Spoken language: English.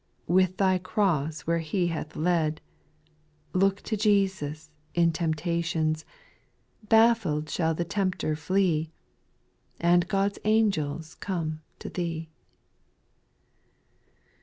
With thy cross where He hath led Look to Jesus in temptations. SPIRITUAL SONGS. 249 Baffled shall the tempter flee, And God's angels come to Theo.